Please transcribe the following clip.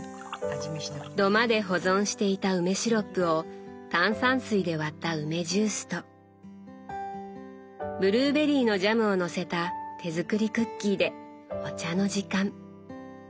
土間で保存していた梅シロップを炭酸水で割った梅ジュースとブルーベリーのジャムをのせた手作りクッキーでお茶の時間。